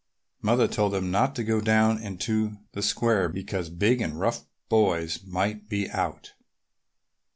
Mother told them not to go down into the square because big and rough boys might be out.